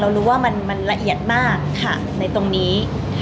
รู้ว่ามันละเอียดมากค่ะในตรงนี้